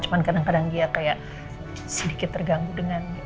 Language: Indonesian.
cuman kadang kadang dia kayak sedikit terganggu dengan